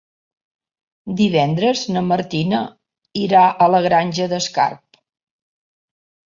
Divendres na Martina irà a la Granja d'Escarp.